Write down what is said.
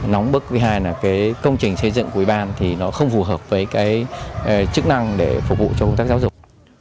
nóng bức thứ hai là cái công trình xây dựng của ủy ban thì nó không phù hợp với cái chức năng để phục vụ cho công tác giáo dục